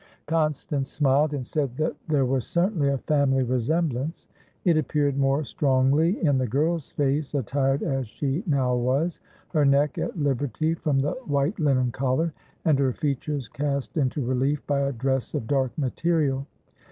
Constance smiled, and said that there was certainly a family resemblance. It appeared more strongly in the girl's face attired as she now was, her neck at liberty from the white linen collar, and her features cast into relief by a dress of dark material.